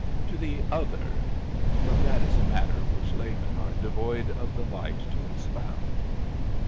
To the Other but that is a matter which laymen are devoid of the light to expound.